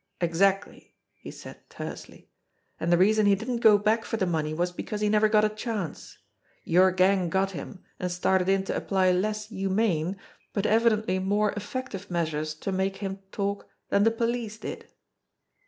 "Exactly!" he said tersely. "And the reason he didn't go back for the money was because he never got a chance. Your gang got him, and started in to apply less humane but JIMMIE DALE PAYS A VISIT 89 evidently more effective measures to make him talk than the police did."